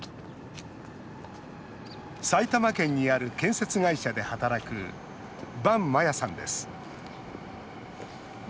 埼玉県にある建設会社で働く坂麻弥さんです。